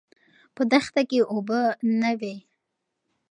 په دښته کې اوبه نه وې.